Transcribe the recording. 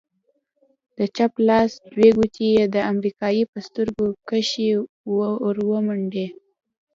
د چپ لاس دوې گوتې يې د امريکايي په سترگو کښې ورومنډې.